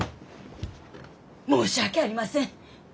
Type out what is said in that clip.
申し訳ありません。